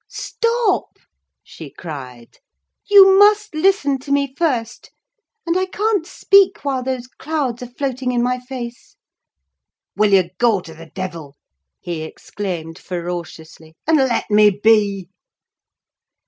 "Stop," she cried, "you must listen to me first; and I can't speak while those clouds are floating in my face." "Will you go to the devil!" he exclaimed, ferociously, "and let me be!"